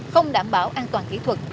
không đảm bảo an toàn kỹ thuật